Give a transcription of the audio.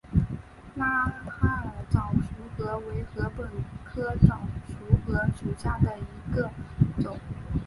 拉哈尔早熟禾为禾本科早熟禾属下的一个种。